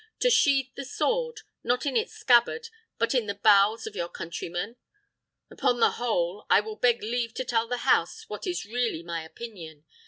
To sheathe the sword, not in its scabbard, but in the bowels of your Countrymen? "Upon the whole, I will beg leave to tell the House what is really my opinion.